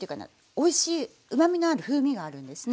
おいしいうまみのある風味があるんですね。